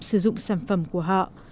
sử dụng sản phẩm của họ